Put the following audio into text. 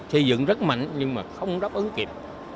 xây dựng rất mạnh nhưng mà không đáp ứng kịp